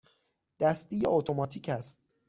دستی یا اتوماتیک است؟